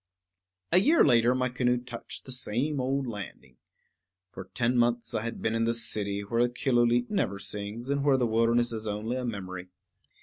A year later my canoe touched the same old landing. For ten months I had been in the city, where Killooleet never sings, and where the wilderness is only a memory.